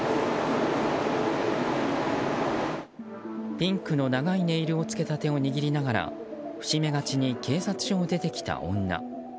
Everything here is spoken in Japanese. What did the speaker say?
ピンクの長いネイルを付けた手を握りながら伏し目がちに警察署を出てきた女。